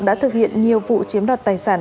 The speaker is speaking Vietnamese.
đã thực hiện nhiều vụ chiếm đoạt tài sản